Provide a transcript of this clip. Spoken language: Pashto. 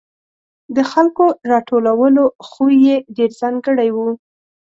د خلکو راټولولو خوی یې ډېر ځانګړی و.